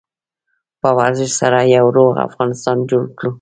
په ورزش سره یو روغ افغانستان جوړ کړو.